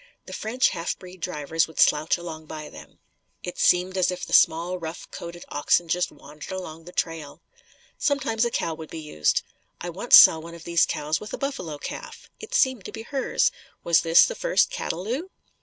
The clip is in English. The French half breed drivers would slouch along by them. It seemed as if the small rough coated oxen just wandered along the trail. Sometimes a cow would be used. I once saw one of these cows with a buffalo calf. It seemed to be hers. Was this the first Cataloo?